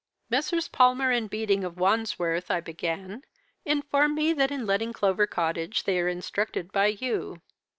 "'Messrs. Palmer & Beading, of Wandsworth,' I began, 'inform me that in letting Clover Cottage they are instructed by you.